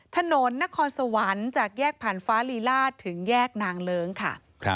ถนนนครสวรรค์จากแยกผ่านฟ้าลีลาศถึงแยกนางเลิ้งค่ะ